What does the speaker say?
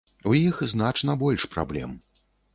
У іх значна больш праблем.